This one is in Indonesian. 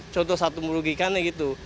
contoh satu merugikannya gitu